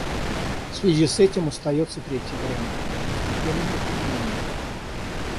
В связи с этим остается третий вариант — постепенные изменения.